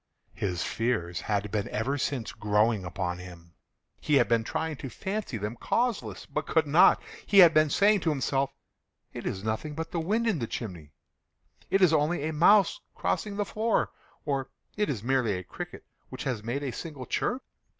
His fears had been ever since growing upon him. He had been trying to fancy them causeless, but could not. He had been saying to himself—"It is nothing but the wind in the chimney—it is only a mouse crossing the floor," or "It is merely a cricket which has made a single chirp."